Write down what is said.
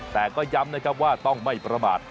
แต่ก็ย้ำนะครับว่าต้องไม่ประมาท